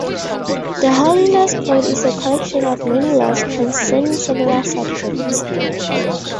The Holiness Code is a collection of many laws concerning several subjects.